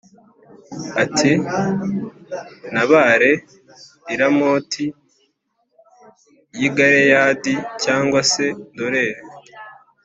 ati “Ntabare i Ramoti y’i Galeyadi cyangwa se ndorere?”